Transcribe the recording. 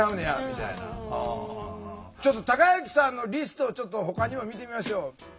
たかゆきさんのリストをちょっとほかにも見てみましょう。